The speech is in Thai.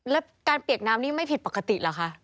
แล้วการเปียกน้ำนี่ไม่ผิดปกติเหรอคะ